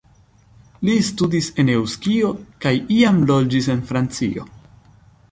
Li studis en Eŭskio kaj iam loĝis en Francio.